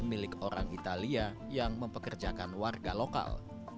milik orang italia yang mempekerjakan warga lokal